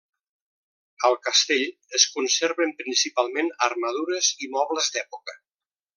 Al castell es conserven principalment armadures i mobles d'època.